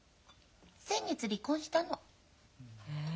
先月離婚したの。え。